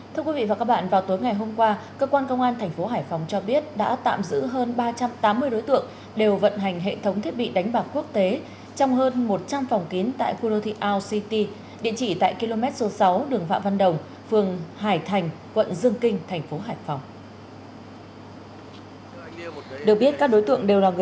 thưa quý vị và các bạn vào tối ngày hôm qua cơ quan công an tp hải phòng cho biết đã tạm giữ hơn ba trăm tám mươi đối tượng đều vận hành hệ thống thiết bị đánh bạc quốc tế trong hơn một trăm linh phòng kiến tại kuro ti ao city địa chỉ tại km số sáu đường vạn văn đồng phường hải thành quận dương kinh tp hải phòng